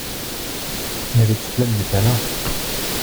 Mais le problème n’est pas là.